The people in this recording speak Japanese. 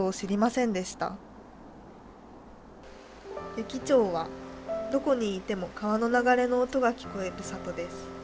湯来町はどこにいても川の流れの音が聞こえる里です。